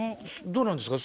どうなんですか？